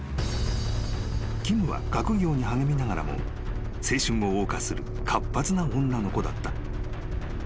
［キムは学業に励みながらも青春を謳歌する活発な女の子だった］